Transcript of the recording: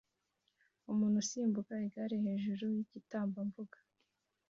Umuntu usimbuka igare hejuru yigitambambuga